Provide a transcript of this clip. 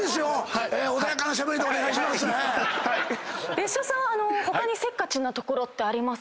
別所さん他にせっかちなところありますか？